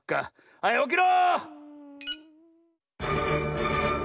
はいおきろ！